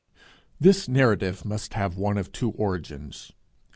This narrative must have one of two origins.